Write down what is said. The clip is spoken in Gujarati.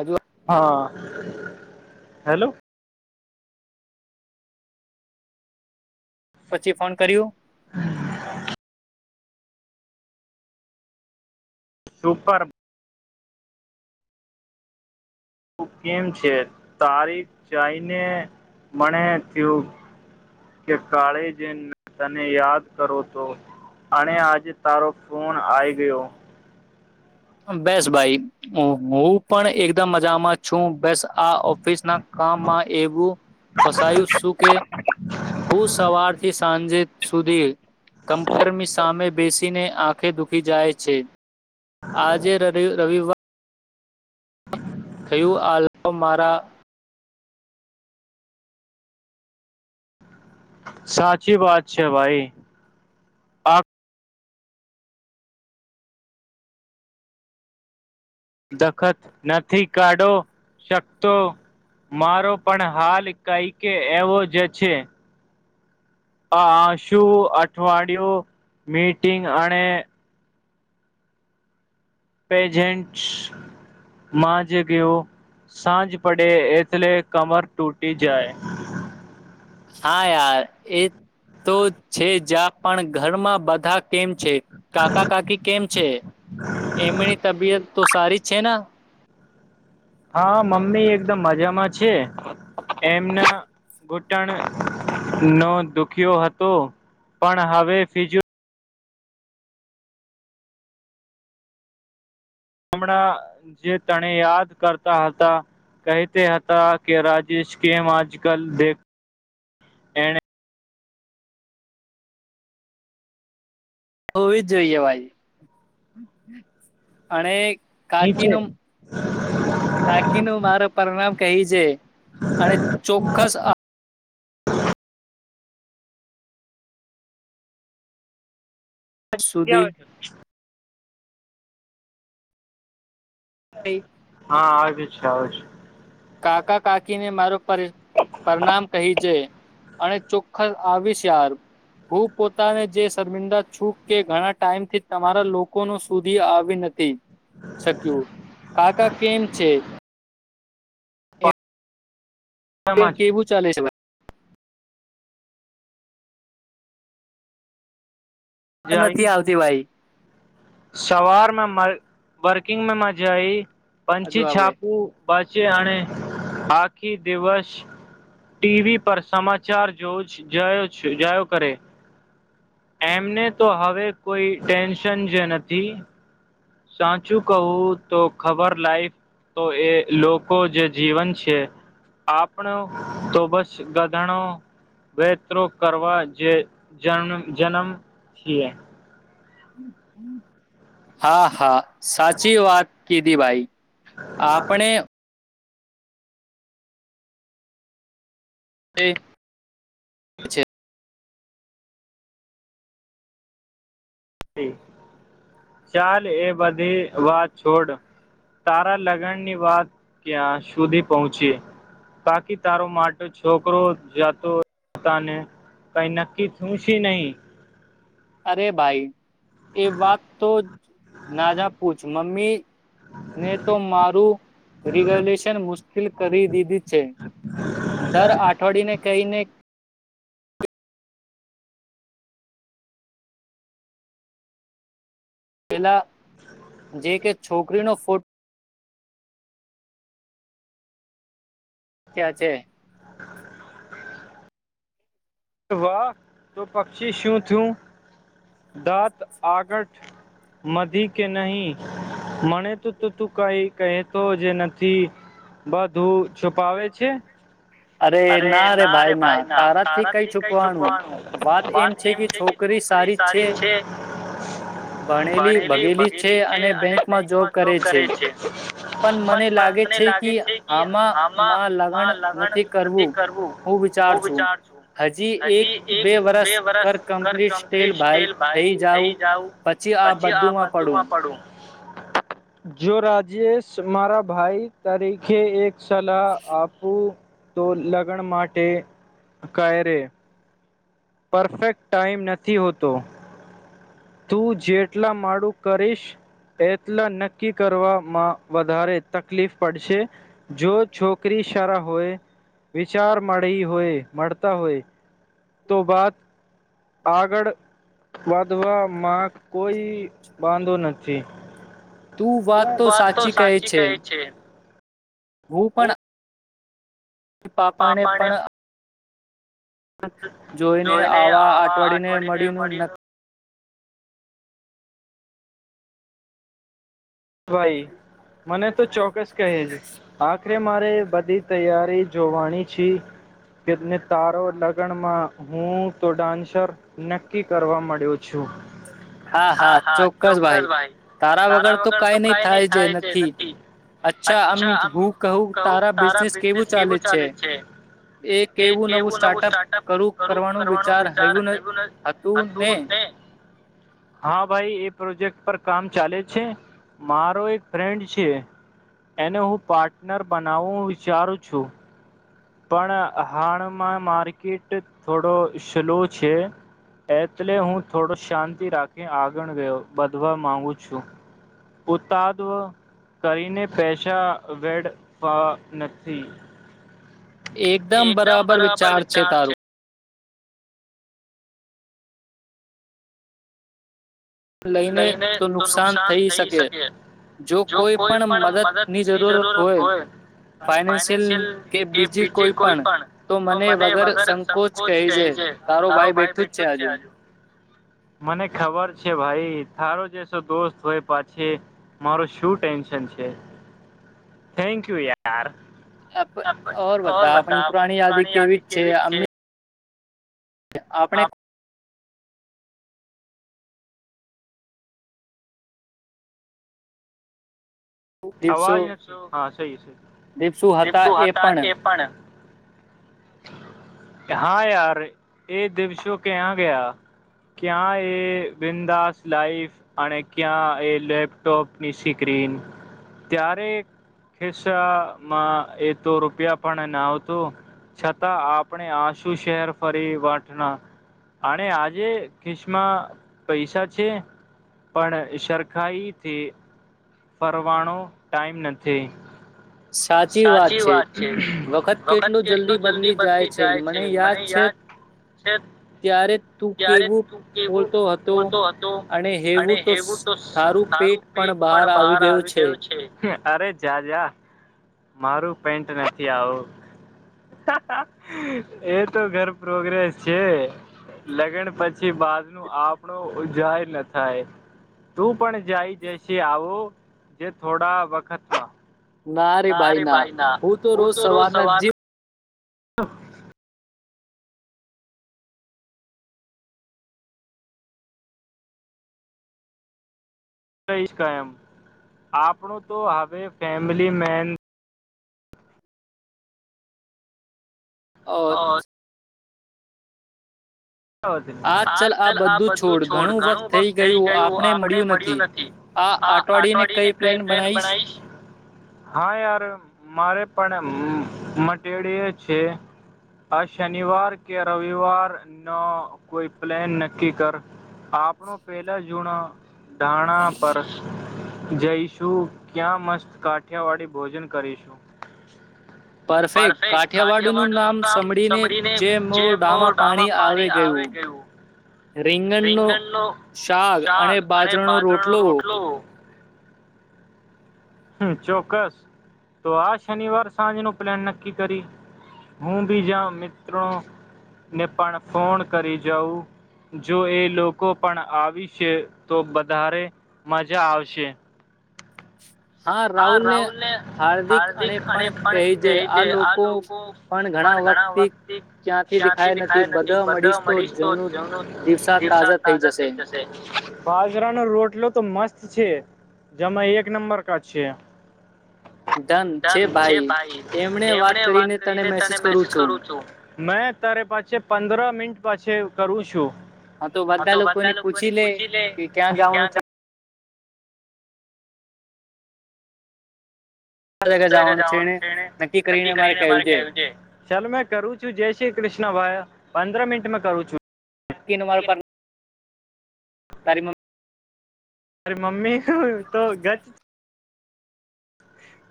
હજુ હા હેલો પછી ફોન કર્યું હમ સુપર હું કેમ છે તારીફ ચાઈને મળણે થું કે કાળે જન તને યાદ કરો તો અને આજે તારો ફોન આઈ ગયો બેસ ભાઈ હું પણ એકદમ મજામાં છું બેસ આ ઓફિસ ના કામમાં એવું ફસાયું શું કે હું સવારથી સાંજે સુધી કમ્પ્યુટરની સામે બેસીને આંખે દુખી જાય છે આજે ર રવિવાર થયું આ મારા સાચી વાત છે ભાઈ આપ દખત નથી કાઢો શકતો મારો પણ હાલ કંઈ કે એવો જ છે હ શું અઠવાડિયું મીટિંગ અને પેજેન્ટ્સ જ ગયો સાંજ પડે એથલે કમર ટૂટી જાય હા યાર એ તો છે જ પણ ઘરમાં બધા કેમ છે કાકા કાકી કેમ છે એમની તબિયત તો સારી છેના હા મમ્મી એકદમ મજામાં છે એમના ટણ નો દુખ્યો હતો પણ હવે ફિજુ હમણાં જે તણે યાદ કરતા હતા કહેતા હતા કે રાજેશ કેમ આજકાલ દેખ એને હોવી જ જોઈએ ભાઈ અને કાકી નીચે નું કાકી નું મારો પરિણામ કહી છે અને ચોક્કસ આ સુધી છ [unintelligible] હા આવેજ છે આવ છે કાકા કાકીને મારો પરણામ કહી જે અને ચોખ્ખસ આવીશ ચાર હું પોતાને જે શર્મિંદા છું કે ઘણા ટાઈમ થી તમારા લોકો સુધી આવી નથી શક્યું કાકા કેમ છે પાછામાં કેવું ચાલે છે નથી આવતી ભાઈ સવાર મે વર્કિંગ મે મજા આઈ હજુ પંછી આવે છાપુ બાચે આણે આખી દિવસ ટીવીી પર સમાચાર જો જ જોયો છ જાયો કરે એમને તો હવે કોઈ ટેન્શન જે નથી સાચું કહું તો ખબર લાઈફ તો એ લોકો જે જીવન છે આપણો તો બસ ગધણો વતરો કરવા જે જ જન્મ છીએ હા હા સાચી વાત કીધી ભાઈ આપણે એચછા ચાલ એ બધી વાત છોડ તારા લગ્નની વાત ક્યાં સુધી પહોંચી બાકી તારો માટે છોકરો જાતો પોતાને કઈ નક્કી થું છે નહીં અરે ભાઈ એ વાત તો ના પૂછ મમ્મીને તો મારું રેગુલેશન મુશ્કેલ કરી દીધી છે દર અઠવાડિયને કહીને પેલા જે કે છોકરીનો ફોટો ક્યાં છે હ વાહ તો પક્ષી શું થું દાંત આગઠ મધી કે નહી મને તોું તો તું કઈ કહેતો જે નથી બધું છુપાવે છે અરે ના રરે ભાઈ ના તારાથી કઈ છુપ વા છોકરી સારી ભલી ભગેલી છે અને બેંકમાં જોબ કરે છે મને પણ લાગે મને લાગે છે કે આમાં માં લગન આમાં લગ્ન નથી નથી કરવું હું વિચાર છું હજી એક બે વરસ કર કમ્પ્લીટ સ્ટેલ ભાઈ થઈ જઉું પછી આ બધુંમાં પડું જો રાજેશ મારા ભાઈ તરીકે એક સલાહ આપું તો લગન માટે કાંય રે પરફેક્ટ ટાઈમ નથી હોતો તું જેટલા માડું કરીશ એટલા નક્કી કરવામાં વધારે તકલીફ પડશે. જો છોકરી સારા હોય વિચાર મળી હોય મળતા હોય. બાદ આગળ વધવામાં કોઈ બાંધો નથી તું વાત તો સાચી કહે છે. હું પણ પાપાને પણ જોઈને આવા અઠવાડિયને મળીનું નક્ વઇ મને તો તેવું જ ચોક્કસ કહે કહીશ છે આખરે મારે બધી તૈયારી જોવાની છે કે એમને મને તાર તારો લગણમાં હું તો ડાન્સર નક્કી કરવા માંડ્યું છું હા હા ચોક્કસ ભાઈ તારા વગર તો ને નહી કાંઈ થાય નહીં છે નથી. નથી અચ્છા આમ હું કહું તારા બિઝનેસ કેવું ચાલે છે કે કેવું નવું સ્ટાર્ટઅપું શરૂ કરવાનું વિચાર હેદુ હતું ને. હા ભાઈ એ પ્રોજેક્ટ પર કામ ચાલે છે. મારો એક ફ્રેન્ડ છે એને હું પાર્ટનર બનાવવું વિચારું છું. પણ હાણમાં માર્કેટ થોડો સ્લો છે એટલે હું થોડો શાંતિ રાખી આગળ વ્યો વધધવા માંગુ છું ઉતાદ કરીને પૈસા વેળવ ફવા નથી. એકદમ બરાબર વિચાર છે તારું. લઈને તો નુકસાન થઈ શકે જો કોઈ પણ મદદની જરૂરત હોય ફાઈનેન્શિયલ કે બીજી કોઈ પણ તો મને વગર સંકોચ કહે છેે તારો ભાઈ બેઠું જ છે આજું. મને ખબર છે ભાઈ. તારો જસો દોસ્ત હોય પાછી મારું શું ટેન્શન છે થેન્ક યુ યાર. ઓર બતાવ આપણી પુરાણી યાદી કેવી જ છે અમે આપણે. આપ દિવસો અવાજ [unintelligible] દિવસો હતા એ પણ. હા યાર એ દિવસો ક્યાં ગયા ક્યાં એ બિંદાસ લાઈફ અને ક્યાં એ લેપટોપની સ્ક્રીન ત્યારે ખિસ્સામાં એ તો રૂપિયા પણ ના આવતો છતાં આપણે આશું શહેર ફરી વઠના અનેણે આજે ખિસમાં પૈસા છે પણ સરખાઈથી ફરવાનો ટાઈમ નથી. સાચી વાત છે વખત કેટલું જલ્દી બદલી જાય છે મને યાદ છે છે ત્યારે તું ત્યારે કેવું તું કેવું પોલતો હતો બોલતો હતો અને હેવું તો સા પેટ પણ બહાર બહાર આવી ગયું છે. અરે જાજા મારું પેન્ટ નથી આવું એ તો ઘર પ્રોગ્રેસ છે લગ્ન પછી બાદ નું આપણો ઉ જર ના થાય તું પણ જાય જઈશ તો જે થોડા વખતમાં. ના રે ભાઈ ના હું તો રોજ સવારના જિમ [inaudible] રહીશ ક એમ આપણું તો હવે ફેમિલી મેન અ જ આ આ ચલ આ બધું છોડ ઘણું વખત થઈ ગયું આપણે મળ્યું નથી આ અઠવાડિય ને કઈ પ્લેન બનાવીશ હા યાર મારે પણ મટેડ છે આ શનિવાર કે રવિવાર ન કોઈ પ્લેન નક્કી કર આપનો પેલા જૂણ ડાણા પર જઈશું ક્યાં મસ્ત કાઠિયાવાડી ભોજન કરીશું પરફેક્ટ કાઠિયાવાડનું નામ સાભળીને જે મો ડામાં પાણી પાણી આવે ગયું રીંગણનો રીંગણ નો શાક અને બાદર નો રોટલો હમ ચોક્કસ તો આ શનિવાર સાંજ ન પ્લાન નક્કી કરી હું બીજા મિત્રોને પણ ફોન કરી જાઉં જો એ લોકો પણ આવીશે તો વધારે મજા આવશે હા રાહુલ ને હાર્દિક અને પણ કે છે આ લોકો પણ ઘણા વખત ક્યાંથી દેખાય નથી બધા મળીશ તો જેનું દિવસા તાજા થઈ જશે બાજરા ન રોટલો તો મસ્ત છે જમાં એક નંબર કછી ધન છે ભાઈ એમને વાત કરીને ત મેસેજ કરું છું મે તારે પાછ પંદર મિનિટ પાછ કરું છું હા તો બધા લોકો ને પૂછી લે કે ક્યાં જવાનું છે કયા જગ્યા જવાનું છે નું એને છેને નક્કી કરીને મારે કહ્યું ક છે ચાલ મેં કરું છું જય શ્રી કષ્ણ પંદર મિનટમાં કરું છું તનું માર તારીમ મમ મારે મમ્મી તો ગજ હ [unintelligible]